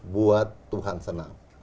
buat tuhan senang